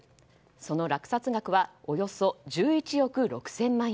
その落札額はおよそ１１億６０００万円。